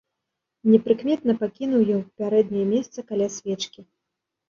Непрыкметна пакінуў ён пярэдняе месца каля свечкі.